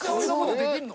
できんの？